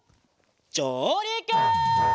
じょうりく！